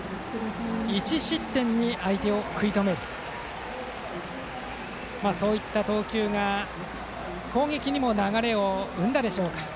１失点に相手を食い止めるそういった投球が攻撃にも流れを生んだでしょうか。